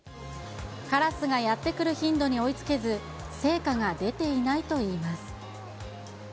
カラスがやって来る頻度に追いつけず、成果が出ていないといいます。